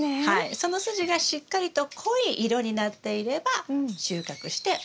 その筋がしっかりと濃い色になっていれば収穫してＯＫ。